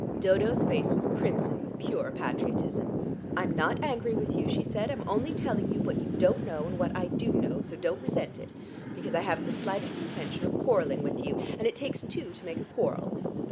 Dodo's face was crimson with pure patriotism. "I'm not angry with you," she said, "I'm only telling you what you don't know, and what I do know, so don't resent it, because I haven't the slightest intention of quarrelling with you, and it takes two to make a quarrel.